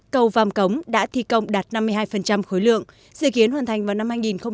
cầu vam cống đã thi công đạt năm mươi hai khối lượng dự kiến hoàn thành vào năm hai nghìn một mươi bảy